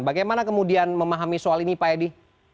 bagaimana kemudian memahami soal ini pak edi